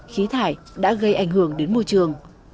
khí thải đã gây ảnh hưởng đến môi trường